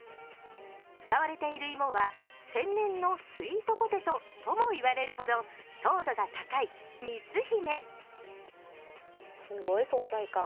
使われている芋は天然のスイートポテトとも言われるほど糖度が高い、みつ姫。